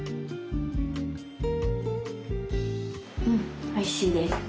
うんおいしいです。